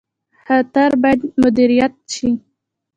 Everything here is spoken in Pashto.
خطر باید مدیریت شي